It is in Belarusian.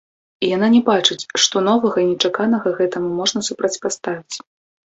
І яна не бачыць, што новага і нечаканага гэтаму можна супрацьпаставіць.